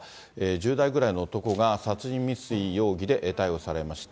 １０代ぐらいの男が殺人未遂容疑で逮捕されました。